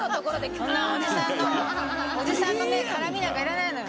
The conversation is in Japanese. そんなおじさんのおじさんのね絡みなんかいらないのよ。